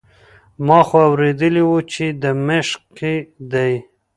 ما خو اورېدلي وو چې د مشق کې دی.